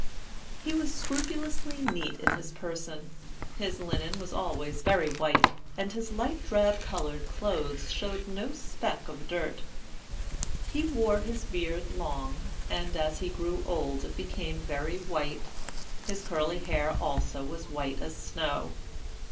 He was scrupulously neat in his person. His linen was always very white, and his light drab colored clothes showed no speck of dirt. He wore his beard long, and as he grew old it became very white; his curly hair also was white as snow.